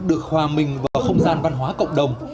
được hòa mình vào không gian văn hóa cộng đồng